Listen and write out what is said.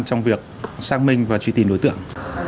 trong việc xác minh và truy tìm đối tượng